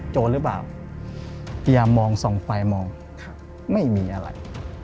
โจรหรือเปล่าพยายามมองส่องควายมองไม่มีอะไร